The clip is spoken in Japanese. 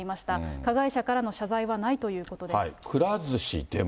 加害者からの謝罪はないというこくら寿司でも。